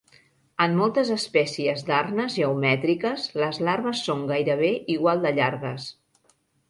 En moltes espècies d'arnes geomètriques, les larves són gairebé igual de llargues.